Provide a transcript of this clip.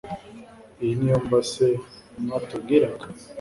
iyi niyo mva se mwatubwiraga